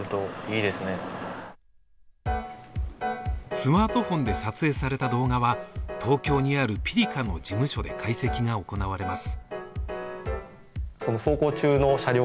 スマートフォンで撮影された動画は、東京にあるピリカの事務所で解析が行われます。